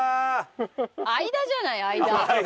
間じゃない間。